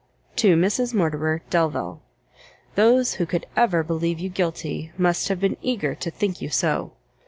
To Mrs Mortimer Delvile. Those who could ever believe you guilty, must have been eager to think you so.